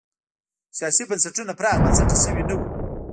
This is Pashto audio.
سیاسي بنسټونه پراخ بنسټه شوي نه وو.